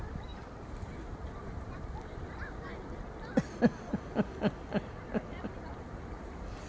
フフフフ！